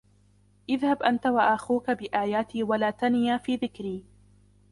اذهب أنت وأخوك بآياتي ولا تنيا في ذكري